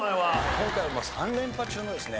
今回は３連覇中のですね